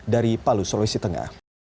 dari palu sulawesi tengah